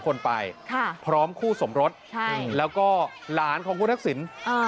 ค่ะใช่พร้อมคู่สมรสแล้วก็หลานของคุณทักศิลป์